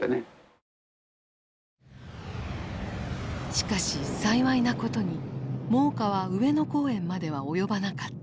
しかし幸いなことに猛火は上野公園までは及ばなかった。